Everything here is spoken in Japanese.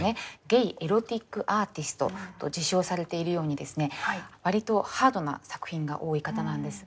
ゲイ・エロティック・アーティストと自称されているようにですね割とハードな作品が多い方なんです。